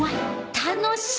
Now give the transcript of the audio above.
楽しい！